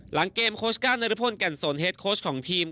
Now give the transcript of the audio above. หลังเกมโค้ชก้านรพลแก่นสนเฮดโค้ชของทีม